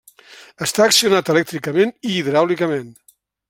Està accionat elèctricament i hidràulicament.